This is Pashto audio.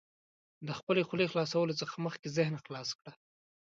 د خپلې خولې خلاصولو څخه مخکې ذهن خلاص کړه.